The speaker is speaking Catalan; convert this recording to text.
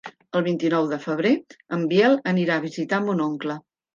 El vint-i-nou de febrer en Biel anirà a visitar mon oncle.